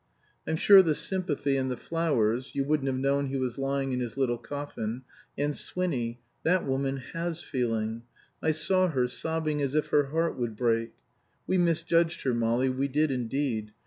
I'm sure the sympathy and the flowers you wouldn't have known he was lying in his little coffin and Swinny that woman has feeling. I saw her sobbing as if her heart would break. We misjudged her, Molly, we did indeed.